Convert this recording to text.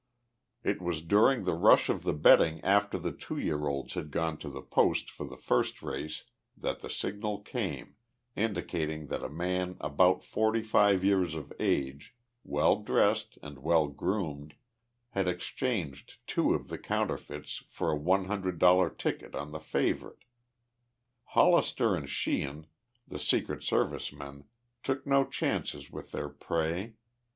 It was during the rush of the betting after the two year olds had gone to the post for the first race that the signal came indicating that a man about forty five years of age, well dressed and well groomed, had exchanged two of the counterfeits for a one hundred dollar ticket on the favorite. Hollister and Sheehan, the Secret Service men, took no chances with their prey.